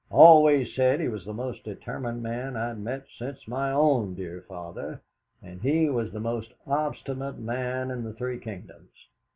I always said he was the most determined man I'd met since my own dear father, and he was the most obstinate man in the three kingdoms!"